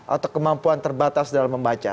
atau kemampuan terbatas dalam membaca